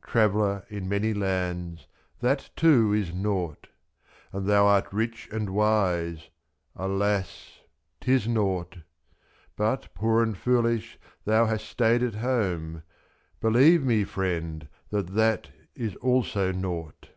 Traveller in many lands — that too is nought! And thou art rich and wise — alas! 'tis nought! '^?.But, poor and foolish, thou hast stayed at home, Believe me, friend, that that is also nought